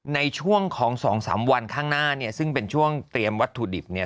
ในช่วงของ๒๓วันข้างหน้าเนี่ยซึ่งเป็นช่วงเตรียมวัตถุดิบเนี่ย